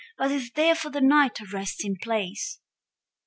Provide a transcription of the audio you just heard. But is there for the night a resting place?